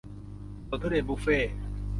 สวนทุเรียนบุฟเฟ่ต์